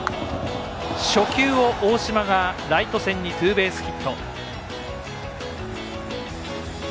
初球を大島がライト線にツーベースヒット。